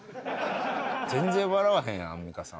全然笑わへんやん、アンミカさん。